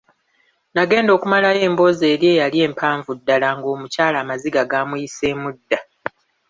Nagenda okumalayo emboozi eri eyali empavu ddala ng'omukyala amaziga gaamuyiseemu dda.